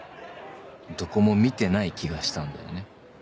どこも見てない気がしたんだよね。